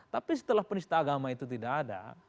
tapi setelah penista agama itu tidak ada